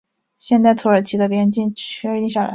现代土耳其的边境确定下来。